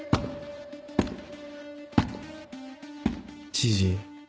知事。